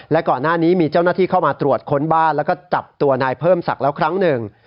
และก่อนหน้านี้มีเจ้าหน้าที่เข้ามาตรวจค้นบ้านแล้วก็จับตัวนายเพิ่มศักดิ์แล้วครั้งหนึ่ง